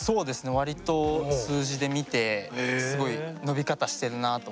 割と数字で見てすごい伸び方してるなあとか。